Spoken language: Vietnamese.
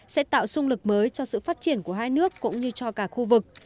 sẽ tạo sung lực mới cho sự phát triển của hai nước cũng như cho cả khu vực